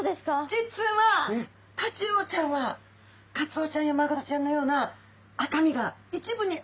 実はタチウオちゃんはカツオちゃんやマグロちゃんのような一部に。